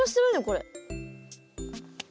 これ。